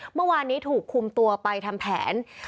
เมื่อวานนี้ถูกคุมตัวไปทำแผน